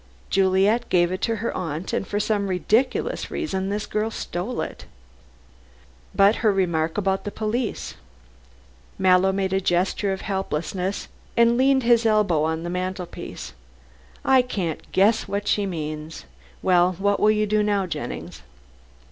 Juliet gave it to her aunt, and for some ridiculous reason this girl stole it." "But her remark about the police." Mallow made a gesture of helplessness, and leaned his elbow on the mantelpiece. "I can't guess what she means. Well, what will you do now, Jennings?"